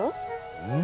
うん。